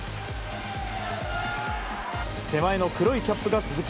手前の黒いキャップが鈴木。